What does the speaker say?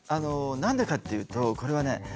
何でかっていうとこれはね